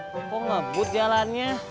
kok ngebut jalannya